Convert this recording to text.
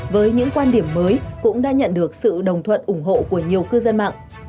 với những quan điểm mới cũng đã nhận được sự đồng thuận ủng hộ của nhiều cư dân mạng